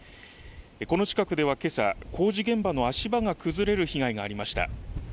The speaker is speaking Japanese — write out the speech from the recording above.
この近くではけさ、工事現場の足場が崩れる被害がありました。